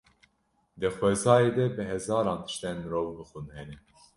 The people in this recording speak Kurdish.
Di xwezayê de bi hezaran tiştên mirov bixwin hene.